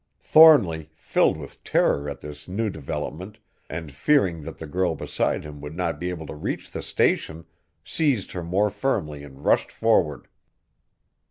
Thornly, filled with terror at this new development and fearing that the girl beside him would not be able to reach the Station, seized her more firmly and rushed forward.